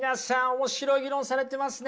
面白い議論されてますね！